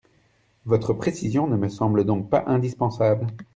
Votre précision ne me semble donc pas indispensable.